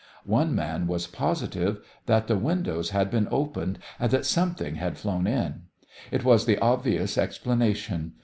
One man was positive that the windows had been opened and that something had flown in. It was the obvious explanation.